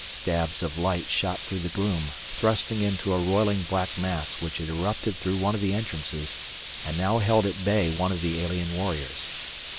Stabs of light shot through the gloom, thrusting into a roiling black mass which had erupted through one of the entrances and now held at bay one of the alien warriors.